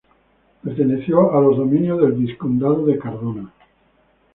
Perteneció a los dominios del vizcondado de Cardona.